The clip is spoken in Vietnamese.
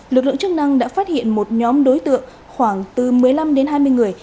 lực lượng chức năng đã phát hiện một nhóm đối tượng khoảng từ một mươi năm đến hai mươi người